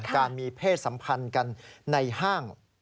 การมีเพศสัมพันธ์กันในห้าง